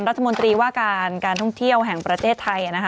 รัฐมนตรีว่าการการท่องเที่ยวแห่งประเทศไทยนะคะ